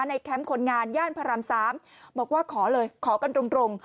แคมป์คนงานย่านพระราม๓บอกว่าขอเลยขอกันตรง